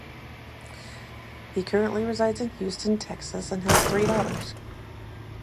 He currently resides in Houston, Texas and has three daughters.